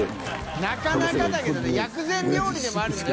なかなかだけどね薬膳料理でもあるんだよ